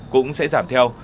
cũng sẽ giảm theo